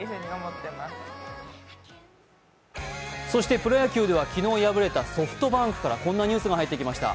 プロ野球では昨日敗れたソフトバンクからこんなニュースが入ってきました。